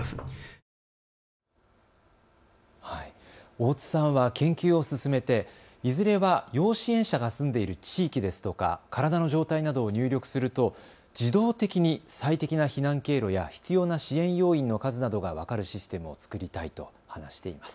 大津さんは研究を進めて、いずれは要支援者が住んでいる地域ですとか体の状態などを入力すると自動的に最適な避難経路や必要な支援要員の数などが分かるシステムを作りたいと話しています。